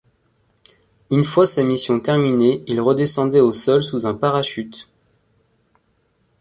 Une fois sa mission terminée il redescendait au sol sous un parachute.